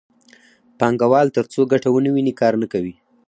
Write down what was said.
پانګوال ترڅو ګټه ونه ویني کار نه کوي